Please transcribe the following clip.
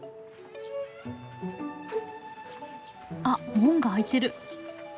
あっ門が開いてる。